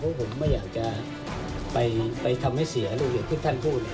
เพราะผมไม่อยากจะไปทำให้เสียลูกอย่างที่ท่านพูด